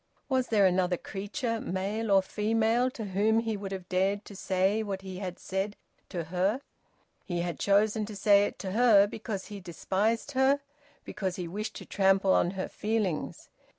Was there another creature, male or female, to whom he would have dared to say what he had said to her? He had chosen to say it to her because he despised her, because he wished to trample on her feelings.